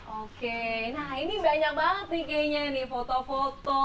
oke nah ini banyak banget nih kayaknya nih foto foto